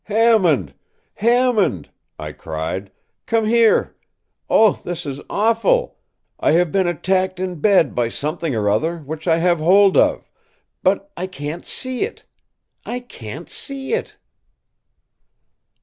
” “Hammond! Hammond!” I cried, “come here. Oh, this is awful! I have been attacked in bed by something or other, which I have hold of; but I can’t see it—I can’t see it!